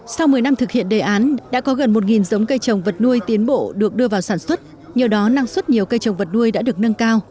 sau một mươi năm thực hiện đề án đã có gần một giống cây trồng vật nuôi tiến bộ được đưa vào sản xuất nhờ đó năng suất nhiều cây trồng vật nuôi đã được nâng cao